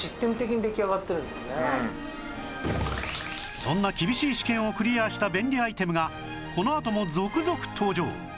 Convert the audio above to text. そんな厳しい試験をクリアした便利アイテムがこのあとも続々登場！